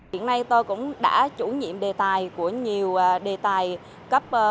hiện nay tôi cũng đã chủ nhiệm đề tài của nhiều đề tài cấp